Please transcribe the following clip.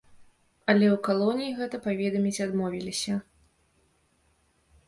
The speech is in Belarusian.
Але ў калоніі гэта паведаміць адмовіліся.